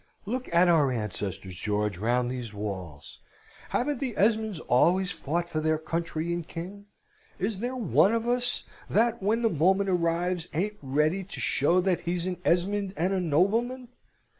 Look at our ancestors, George, round these walls! Haven't the Esmonds always fought for their country and king? Is there one of us that, when the moment arrives, ain't ready to show that he's an Esmond and a nobleman?